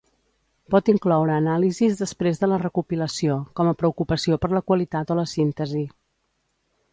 Pot incloure anàlisis després de la recopilació, com a preocupació per la qualitat o la síntesi.